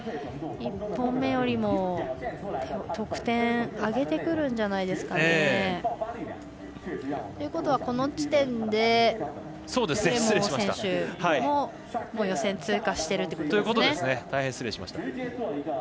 １本目よりも得点上げてくるんじゃないですかね。ということは、この時点でグレモー選手も予選通過しているということですね。